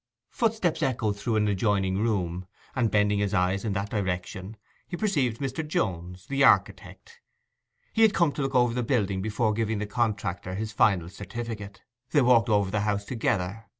Footsteps echoed through an adjoining room; and bending his eyes in that direction, he perceived Mr. Jones, the architect. He had come to look over the building before giving the contractor his final certificate. They walked over the house together.